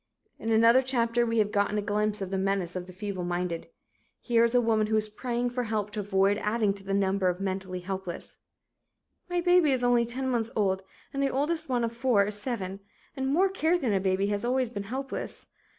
In another chapter, we have gotten a glimpse of the menace of the feebleminded. Here is a woman who is praying for help to avoid adding to the number of mentally helpless: "My baby is only 10 months old and the oldest one of four is 7, and more care than a baby, has always been helpless.